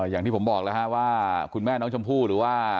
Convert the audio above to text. อย่างที่ผมบอกนะครับว่าคุณแม่น้องชมภูรุ